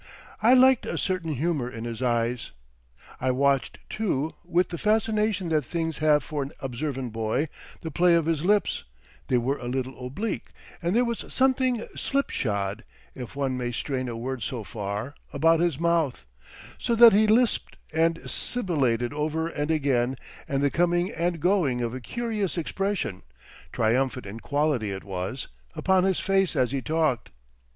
I liked a certain humour in his eyes. I watched, too, with the fascination that things have for an observant boy, the play of his lips—they were a little oblique, and there was something "slipshod," if one may strain a word so far, about his mouth, so that he lisped and sibilated ever and again and the coming and going of a curious expression, triumphant in quality it was, upon his face as he talked.